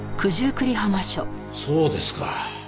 そうですか。